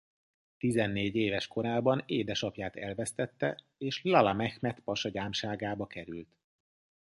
Tizennégy éves korában édesapját elvesztette és Lala Mehmet pasa gyámságába került.